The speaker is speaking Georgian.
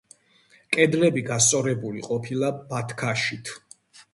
კედლები გასწორებული ყოფილა ბათქაშით.